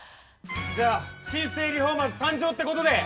じゃあ新生リフォーマーズ誕生ってことで。